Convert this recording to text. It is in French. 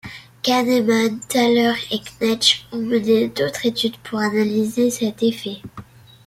Kahnemann, Thaler et Knetsch ont mené d’autres études pour analyser cet effet.